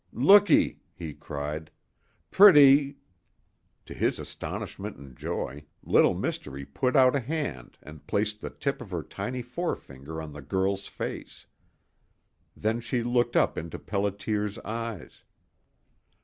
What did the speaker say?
"Looky," he cried. "Pretty " To his astonishment and joy, Little Mystery put out a hand and placed the tip of her tiny forefinger on the girl's face. Then she looked up into Pelliter's eyes.